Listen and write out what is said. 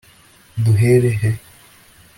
duhera he